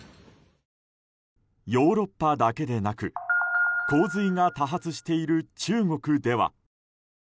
ヨーロッパだけでなく洪水が多発している中国では。